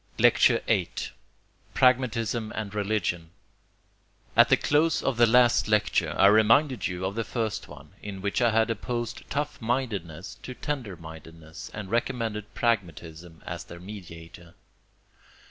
Lecture VIII Pragmatism and Religion At the close of the last lecture I reminded you of the first one, in which I had opposed tough mindedness to tender mindedness and recommended pragmatism as their mediator.